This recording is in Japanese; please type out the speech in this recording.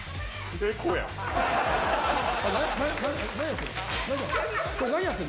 猫やん。